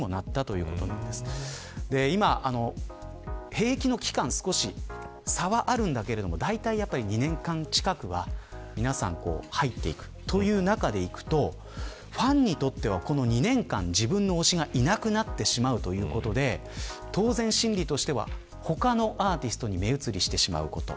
兵役の期間が少し差はあるけれどもだいたい２年間近くは皆さん入っていくという中でいくとファンにとっては、この２年間自分の推しがいなくなってしまうということで当然心理としては他のアーティストに目移りしてしまうこと。